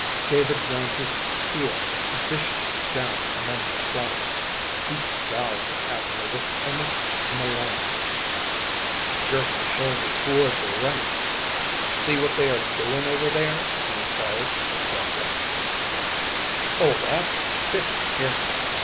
David ground his heel viciously down among the flowers. He scowled at Abner with almost malignity. He jerked a shoulder toward the right. "Seen what they are doin' over there?" he inquired, gruffly. Old Abner did not hear him.